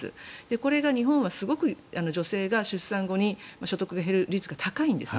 これが日本はすごく女性が出産後に所得が減る率が高いんですね。